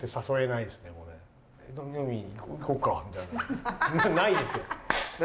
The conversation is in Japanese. ないですよ